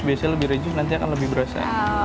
biasanya lebih rejuh nanti akan lebih berasa